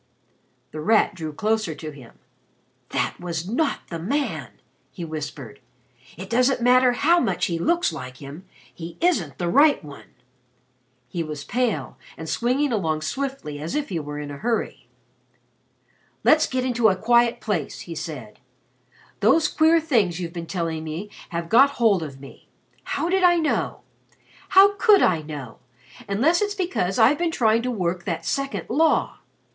The Rat drew closer to him. "That was not the man!" he whispered. "It doesn't matter how much he looks like him, he isn't the right one." He was pale and swinging along swiftly as if he were in a hurry. "Let's get into a quiet place," he said. "Those queer things you've been telling me have got hold of me. How did I know? How could I know unless it's because I've been trying to work that second law?